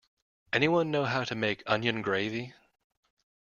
Anyone know how to make onion gravy?